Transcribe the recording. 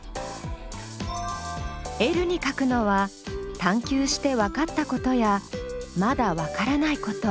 Ｌに書くのは探究してわかったことやまだわからないこと。